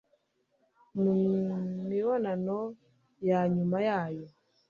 mu mu mibonano na nyuma yayo